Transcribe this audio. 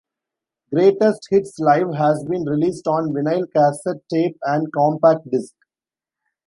"Greatest Hits Live" has been released on Vinyl, Cassette tape, and Compact disc.